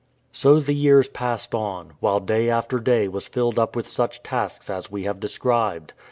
So the years passed on, while day after day was filled up with such tasks as we have described.